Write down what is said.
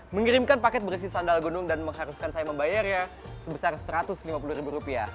mengirimkan paket bersih sandal gunung dan mengharuskan saya membayarnya sebesar satu ratus lima puluh ribu rupiah